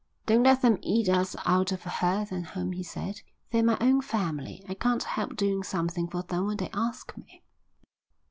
"Don't let them eat us out of hearth and home," he said. "They're my own family. I can't help doing something for them when they ask me."